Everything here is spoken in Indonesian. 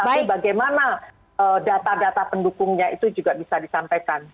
tapi bagaimana data data pendukungnya itu juga bisa disampaikan